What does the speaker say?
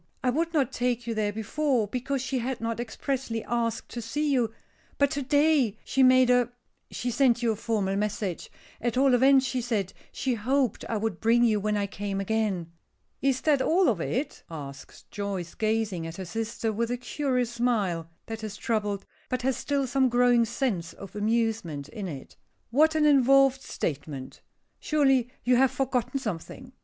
I would not take you there before, because she had not expressly asked to see you. But to day she made a she sent you a formal message at all events she said she hoped I would bring you when I came again." "Is that all of it?" asks Joyce, gazing at her sister with a curious smile, that is troubled, but has still some growing sense of amusement in it. "What an involved statement! Surely you have forgotten something.